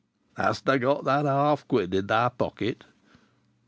"Hast got that half quid in thy pocket?"